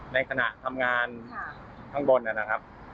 ในขณะทำงานข้างบนนะครับ